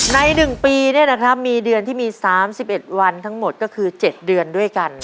ในหนึ่งปีเนี่ยนะครับมีเดือนที่มีสามสิบเอ็ดวันทั้งหมดก็คือเจ็ดเดือนด้วยกัน